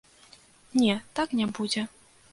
Не, так не будзе.